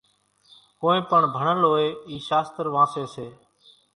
ڪونئين پڻ ڀڻل هوئيَ اِي شاستر وانسيَ سي۔